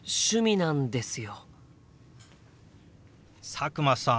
佐久間さん